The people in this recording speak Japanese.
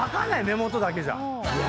目元だけじゃ。